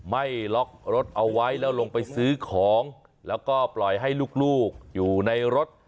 ไม่ล็อกรถเอาไว้แล้วลงไปซื้อของแล้วก็ปล่อยให้ลูกอยู่ในรถ